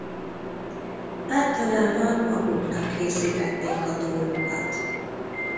Általában maguknak készítették a tollukat.